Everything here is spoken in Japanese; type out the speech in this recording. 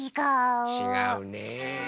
ちがうね。